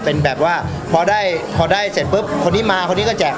เป็นแบบว่าพอได้เสร็จปุ๊บคนนี้มาคนนี้จะแกะ